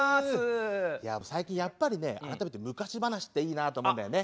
最近やっぱりね改めて昔話っていいなと思うんだよね。